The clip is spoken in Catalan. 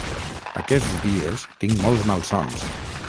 Aquests dies tinc molts malsons.